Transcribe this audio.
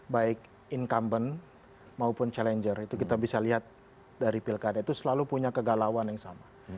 baik incumbent maupun challenger itu kita bisa lihat dari pilkada itu selalu punya kegalauan yang sama